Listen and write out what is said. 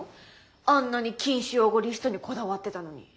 あんなに「禁止用語リスト」にこだわってたのに。